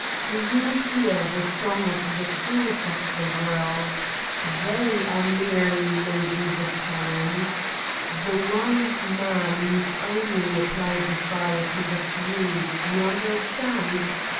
Do you hear the song of the fools of the world? They are 223 Satan's Diary merely loading the cannons. The wise man need only apply the fire to the fuse, you understand?